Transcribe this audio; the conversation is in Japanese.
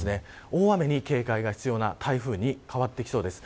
大雨に警戒が必要な台風に変わってきそうです。